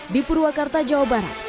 di purwakarta jawa barat